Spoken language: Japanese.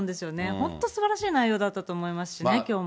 本当、すばらしい内容だったと思いますしね、きょうも。